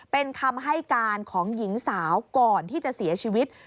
เป็นคำให้การของหญิงสาวก่อนที่จะเสียชีวิต